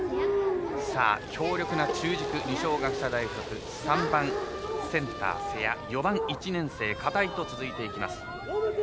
強力な中軸、二松学舎大付属３番、センター瀬谷４番、１年生片井と続いてきます。